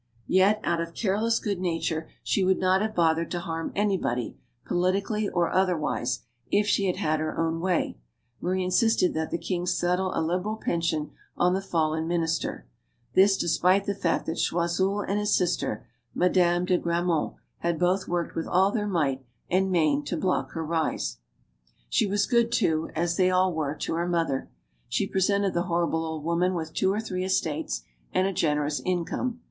Yet, out of careless good nature she would not have bothered to harm anybody, politically or other wise, if she had had her own way Marie insisted that the king settle a liberal pension on the fallen minister; this despite the fact that Choiseul and his sister, Ma dame de Grammont, had both worked with all their might and main to block her rise. She was good, too as they all were to her mother. She presented the horrible old woman with two or three estates and a generous income.